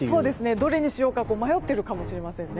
どれにしようかって迷っているかもしれませんね。